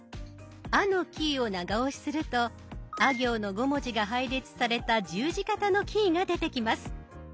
「あ」のキーを長押しするとあ行の５文字が配列された十字形のキーが出てきます。